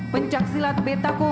pencaksilat betako merpati putih